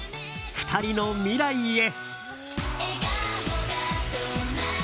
２人の未来へ。